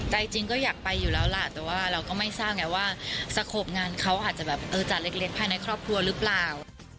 ใจจริงก็อยากไปอยู่แล้วล่ะแต่ว่าเราก็ไม่ทราบไงว่าสโขปงานเขาอาจจะแบบเออจัดเล็กภายในครอบครัวหรือเปล่า